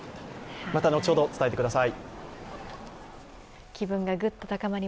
また後ほど伝えてください。